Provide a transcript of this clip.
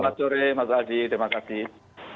selamat sore mas adi terima kasih